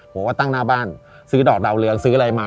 ผมก็ตั้งหน้าบ้านซื้อดอกดาวเรืองซื้ออะไรมา